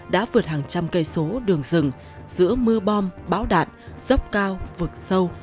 đã vượt hàng trăm cây số đường rừng giữa mưa bom bão đạn dốc cao vực sâu